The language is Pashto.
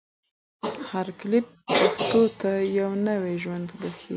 هر کلیپ پښتو ته یو نوی ژوند بښي.